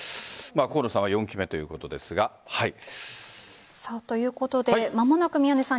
河野さんは４期目ということですが。ということで間もなく宮根さん